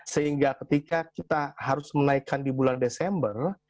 sehingga ketika kita harus menaikkan di bulan desember